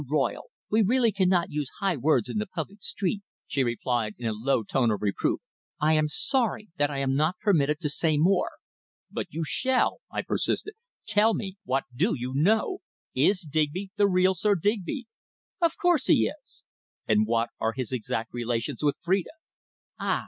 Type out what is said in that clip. Royle, we really cannot use high words in the public street," she replied in a low tone of reproof. "I am sorry that I am not permitted to say more." "But you shall!" I persisted. "Tell me what do you know? Is Digby the real Sir Digby?" "Of course he is!" "And what are his exact relations with Phrida?" "Ah!"